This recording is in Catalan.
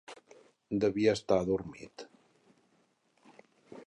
Devia estar adormit.